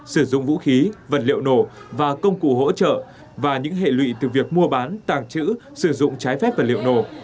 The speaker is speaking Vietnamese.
sử dụng vũ khí vật liệu nổ và công cụ hỗ trợ và những hệ lụy từ việc mua bán tàng trữ sử dụng trái phép vật liệu nổ